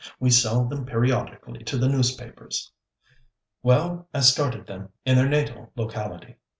We sell them periodically to the newspapers!' 'Well, I started them in their natal locality.